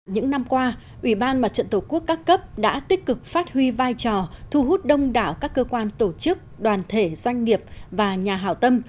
những năm qua ủy ban mặt trận tổ quốc các cấp đã tích cực phát huy vai trò thu hút đông đảo các cơ quan tổ chức đoàn thể doanh nghiệp và nhà hảo tâm